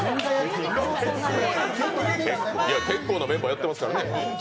結構なメンバーやってますからね。